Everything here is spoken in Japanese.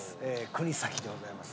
国崎でございますね。